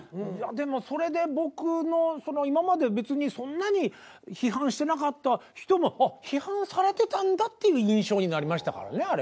でもそれで僕の今まで別にそんなに批判してなかった人も批判されてたんだっていう印象になりましたからね